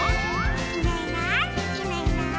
「いないいないいないいない」